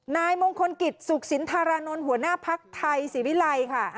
นายมงคลกิจสุขสินธารานนท์หัวหน้าภักดิ์ไทยศิวิลัยค่ะ